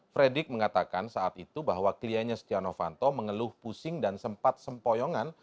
fredrik mengatakan saat itu bahwa kliennya stiano fanto mengeluh pusing dan sempat sempoyongan